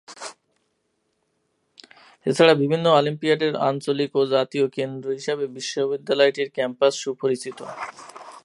এছাড়া বিভিন্ন অলিম্পিয়াডের আঞ্চলিক ও জাতীয় কেন্দ্র হিসেবে বিশ্ববিদ্যালয়টির ক্যাম্পাস সুপরিচিত।